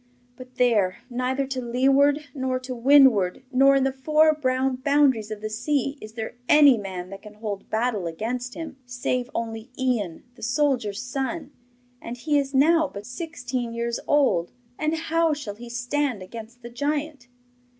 But, there, neither to leeward, nor to windward, nor in the four brown boundaries of the sea, is there any man that can hold battle against him, save only Ian, the soldier's son, and he is now but sixteen years old, and how shall he stand against the giant?